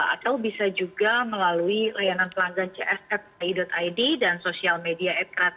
atau bisa juga melalui layanan pelanggan cf ai id dan sosial media adk